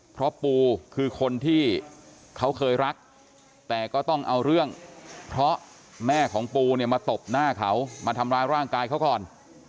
เพราะปูคือคนที่เขาเคยรักแต่ก็ต้องเอาเรื่องเพราะแม่ของปูเนี่ยมาตบหน้าเขามาทำร้ายร่างกายเขาก่อน